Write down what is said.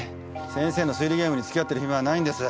先生の推理ゲームに付き合ってる暇はないんです。